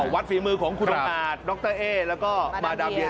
วัดฝีมือของครูบร้าดดรเอ้แล้วก็มาดามเดีย